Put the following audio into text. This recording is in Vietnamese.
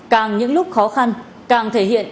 càng những lúc khó khăn càng thể hiện